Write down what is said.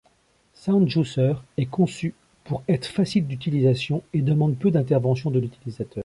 Sound Juicer est conçu pour être facile d’utilisation et demande peu d’intervention de l’utilisateur.